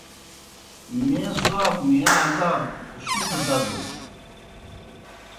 نیں ثواب، نیں عذاب شُکھہ دَدَس